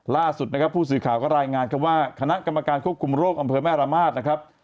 ล่าสุดนะครับผู้สื่อข่าวก็รายงานครับว่าคณะกรรมการควบคุมโรคอำเภอแม่ระมาทนะครับ